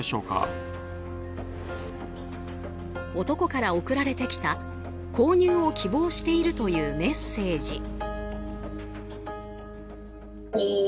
男から送られてきた、購入を希望しているというメッセージ。